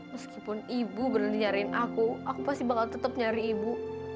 meskipun ibu bener niarin aku aku pasti bakal tetap nyari ibu